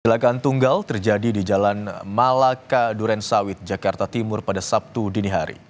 kecelakaan tunggal terjadi di jalan malaka durensawit jakarta timur pada sabtu dini hari